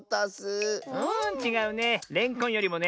うんちがうね。